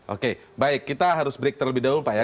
oke baik kita harus break terlebih dahulu pak ya